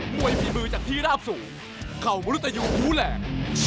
วยฝีมือจากที่ราบสูงเข่ามรุตยูบูแหลก